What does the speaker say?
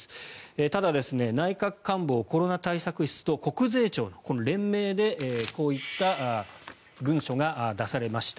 ただ、内閣官房コロナ対策室と国税庁の連名でこういった文書が出されました。